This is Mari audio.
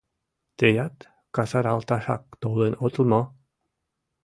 Тыят касаралташак толын отыл мо?